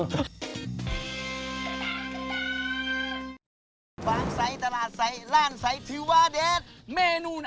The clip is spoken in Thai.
กลับมาเจอกันหลังทั่วโครงชาติอย่างนี้นะฮะ